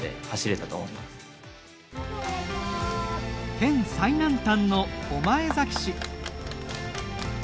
県最南端の御前崎市。